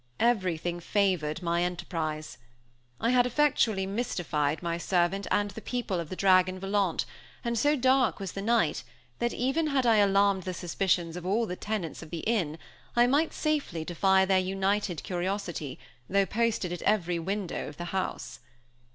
Everything favored my enterprise. I had effectually mystified my servant and the people of the Dragon Volant, and so dark was the night, that even had I alarmed the suspicions of all the tenants of the inn, I might safely defy their united curiosity, though posted at every window of the house.